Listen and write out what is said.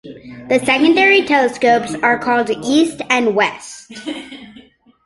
The secondary telescopes are called "East" and "West".